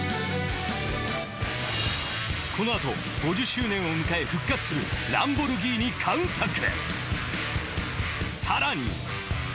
このあと５０周年を迎え復活するランボルギーニカウンタック。